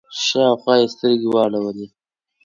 شاوخوا يې سترګې واړولې.